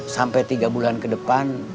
sampai tiga bulan kedepan